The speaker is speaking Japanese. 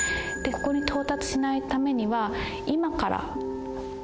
でここに到達しないためには今から。